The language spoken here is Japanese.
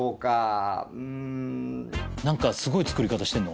なんかすごい作り方してんのかな？